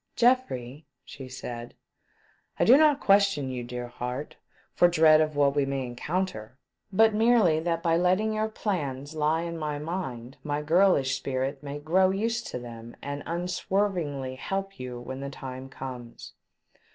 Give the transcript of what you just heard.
" Geoffrey," she said, " I do not question you, dear heart, for dread of what we may encounter, but merely that by letting your plans lie in my mind my girlish spirit may grow used to them and unswervingly help you when the time comes."